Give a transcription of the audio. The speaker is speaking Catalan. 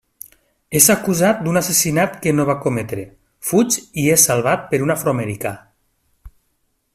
És acusat d'un assassinat que no va cometre, fuig i és salvat per un afroamericà.